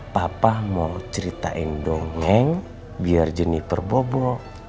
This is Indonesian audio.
papa mau ceritain dongeng biar jenifer bobo